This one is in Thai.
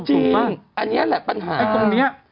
เออจริงอันนี้แหละปัญหา